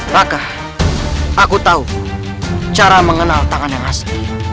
rakah aku tahu cara mengenal tangan yang asli